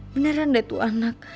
beneran deh itu anak